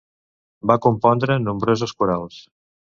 Va compondre nombroses corals.